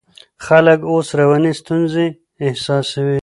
خلک اوس رواني ستونزې احساسوي.